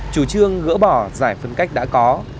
chủ trương gỡ bỏ giải phân cách đã có